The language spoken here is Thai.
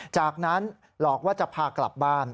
จากนั้นหลอกว่าจะพากลับบ้าน